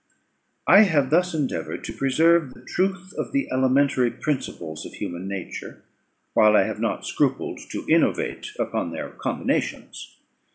I have thus endeavoured to preserve the truth of the elementary principles of human nature, while I have not scrupled to innovate upon their combinations.